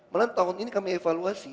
malah tahun ini kami evaluasi